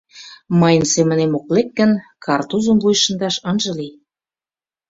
— Мыйын семынем ок лек гын, картузым вуйыш шындаш ынже лий!